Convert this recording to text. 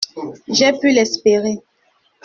J’ai pu l’espérer.